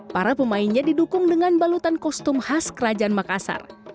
para pemainnya didukung dengan balutan kostum khas kerajaan makassar